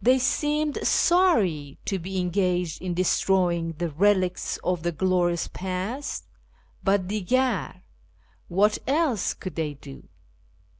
They seemed sorry to be engaged in destroy ing the relics of the glorious past, but —" cM/jar "— what else could they do